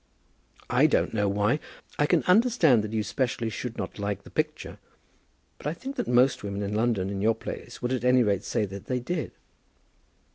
"I don't know why. I can understand that you specially should not like the picture; but I think that most women in London in your place would at any rate say that they did."